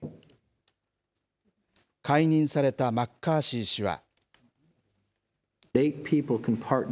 解任されたマッカーシー氏は。